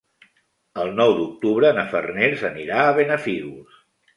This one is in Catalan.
El nou d'octubre na Farners anirà a Benafigos.